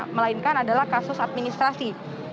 melainkan adalah kasus administrasi